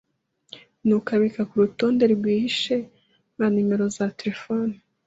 nuko abika kurutonde rwihishe nka numero za terefone.